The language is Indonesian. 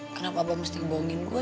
kenapa abah mesti bohongin gue